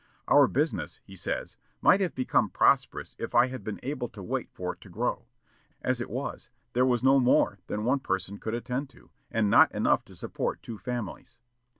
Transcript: "Our business," he says, "might have become prosperous if I had been able to wait for it to grow. As it was, there was no more than one person could attend to, and not enough to support two families.